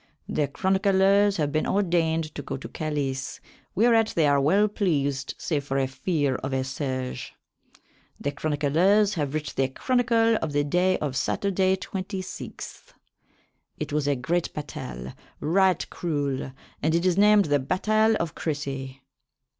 The chronyclers have been ordayned to go to Calys, whereat they are well pleased save for a feare of a siege. The chronyclers have writ the chronycle of the Day of Saturday, August 26. It was a great batayle, ryght cruell, and it is named the batayle of Cressey.